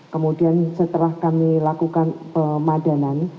kemudian setelah kami lakukan pemadanan